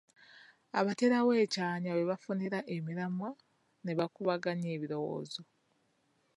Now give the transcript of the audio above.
Abateerawo ekyanya we bafunira emiramwa ne bakubaganya ebirowoozo